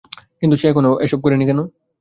কিন্তু, সে এখনো এসব করেনি কেন?